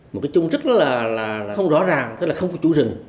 một cái chung rất là không rõ ràng tức là không có chủ rừng